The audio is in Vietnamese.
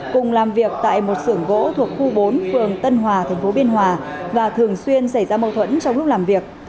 cùng làm việc tại một sưởng gỗ thuộc khu bốn phường tân hòa tp biên hòa và thường xuyên xảy ra mâu thuẫn trong lúc làm việc